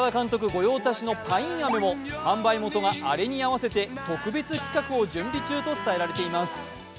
御用達のパインアメも販売元がアレに合わせて特別企画を準備中と伝えられています。